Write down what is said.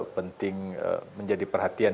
penting menjadi perhatian